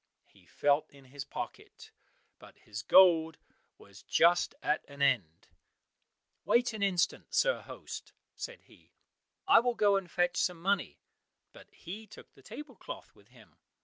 He felt in his pocket, but his gold was just at an end. "Wait an instant, sir host," said he, "I will go and fetch some money;" but he took the table cloth with him.